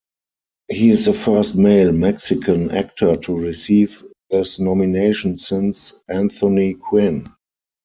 He is the first male Mexican actor to receive this nomination since Anthony Quinn.